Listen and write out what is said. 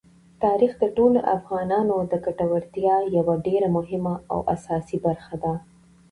تاریخ د ټولو افغانانو د ګټورتیا یوه ډېره مهمه او اساسي برخه ده.